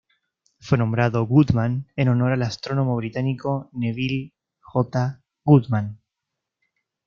Fue nombrado Goodman en honor al astrónomo británico Neville J. Goodman.